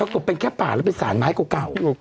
แล้วก็เป็นแค่ป่าเพือเป็นสารไม้เก่า